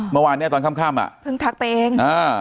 เมื่อวานนี้ตอนค่ำเพิ่งทักตัวเอง